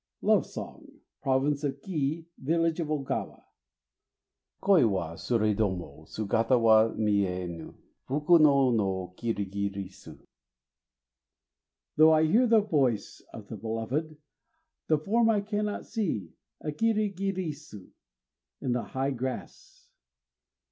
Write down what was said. _ LOVE SONG (Province of Kii, village of Ogawa) Koë wa surédomo Sugata wa miénu Fuka no no kirigirisu! Though I hear the voice [of the beloved], the form I cannot see a kirigirisu in the high grass.